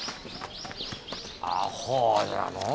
あほうじゃのう。